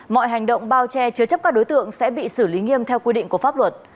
mọi hành động bao che chứa chấp các đối tượng sẽ bị xử lý nghiêm theo quy định của pháp luật